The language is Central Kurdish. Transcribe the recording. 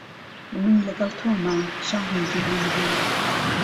من له گهڵ تۆمه شاهی جیهانگیر